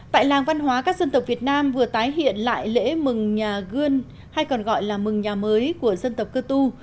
tại làng văn hóa các dân tộc việt nam vừa tái hiện lại lễ mừng nhà gươn hay còn gọi là mừng nhà mới của dân tộc cơ tu